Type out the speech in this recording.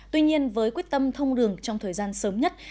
tuy nhiên với quyết tâm thông đường trong thời gian sớm nhất